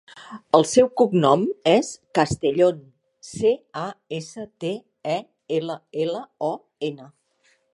El seu cognom és Castellon: ce, a, essa, te, e, ela, ela, o, ena.